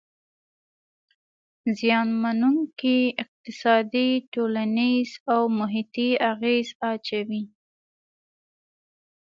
زیانمنووونکي اقتصادي، ټولنیز او محیطي اغیز اچوي.